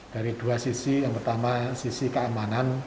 dari dua sisi yang pertama sisi keamanan